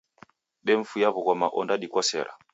Demfuya w'ughoma ondadikosera.